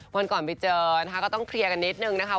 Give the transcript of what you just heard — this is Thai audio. วันก่อนไปเจอนะคะก็ต้องเคลียร์กันนิดนึงนะคะ